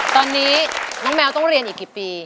ตอนนี้น้องแมวต้องเรียนอีกกี่ปี